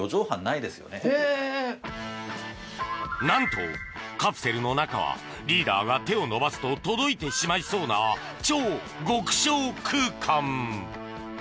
何とカプセルの中はリーダーが手を伸ばすと届いてしまいそうな超極小空間。